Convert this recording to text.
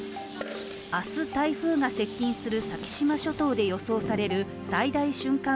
明日台風が接近する先島諸島で予想される最大瞬間